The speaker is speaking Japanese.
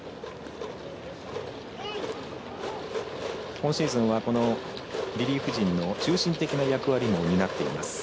今シーズンはリリーフ陣の中心的な役割も担っています。